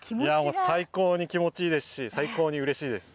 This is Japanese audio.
最高に気持ちいいですし最高にうれしいです。